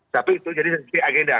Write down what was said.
tapi itu jadi agendanya